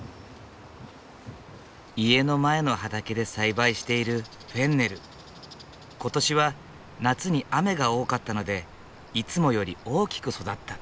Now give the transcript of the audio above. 家の前の畑で栽培している今年は夏に雨が多かったのでいつもより大きく育った。